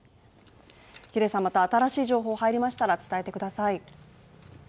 また新しい情報入りましたら伝えてください。